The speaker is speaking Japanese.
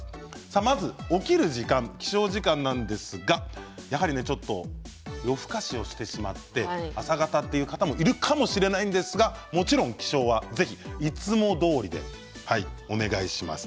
まず起きる時間、起床時間ですがやはり夜更かしをしてしまって朝方という方もいるかもしれないんですがもちろん起床はぜひいつもどおりでお願いします。